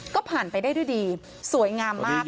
ก็ผ่านไปได้ด้วยดีสวยงามมาก